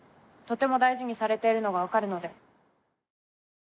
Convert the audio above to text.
とても大事にされているのがわかるので。